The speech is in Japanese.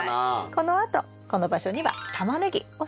このあとこの場所にはタマネギを育てます。